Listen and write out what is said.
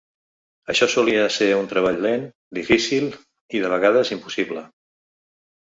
Això solia ser un treball lent, difícil i, de vegades, impossible.